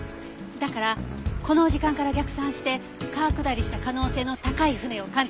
だからこの時間から逆算して川下りした可能性の高い船を鑑定したいんです。